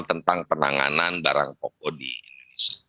tentang penanganan barang pokok di indonesia